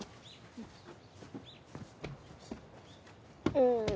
うん。